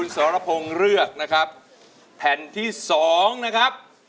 สรพงศ์เลือกนะครับแผ่นที่๒นะครับ